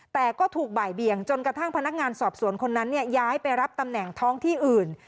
แต่ก็ถูกบ่ายเบียงจนกระทั่งพนักงานสอบสวนคนนั้นย้ายไปรับตำแหน่งท้องที่อื่น